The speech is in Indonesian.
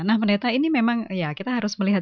nah pendeta ini memang ya kita harus melihat